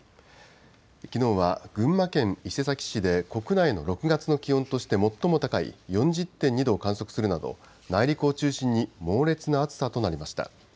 きのうは群馬県伊勢崎市で、国内の６月の気温として最も高い４０．２度を観測するなど、内陸を中心に猛烈な暑さとなりました。